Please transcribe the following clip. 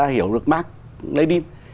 hiểu được bác lenin